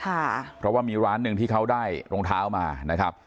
เพราะว่ามีร้านหนึ่งที่เขาได้รองเท้ามานะครับ